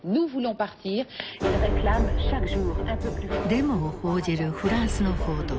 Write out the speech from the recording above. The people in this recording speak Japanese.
デモを報じるフランスの報道。